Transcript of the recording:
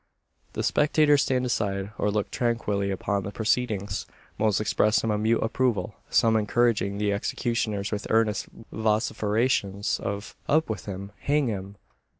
The spectators stand aside, or look tranquilly upon the proceedings. Most express a mute approval some encouraging the executioners with earnest vociferations of "Up with him! Hang him!"